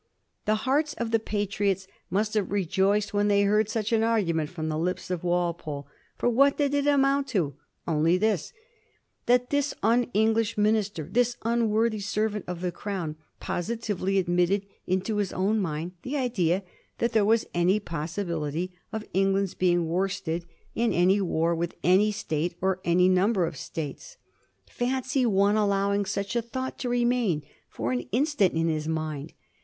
The hearts of the Patriots must have rejoiced when they heard such an argument from the lips of Walpole. For what did it amount to ? Only this — that this un English Minister, this unworthy servant of the crown, positively admitted into his own mind the idea that there was any possibility of England's being worsted in any war with 156 A HISTORY OF THE FOUR GEORGES. cu. xxxi. any state or any number of states! Fancy any one al lowing sach a thought to remain for an instant in bis mind!